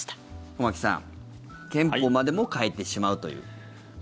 駒木さん憲法までも変えてしまうという。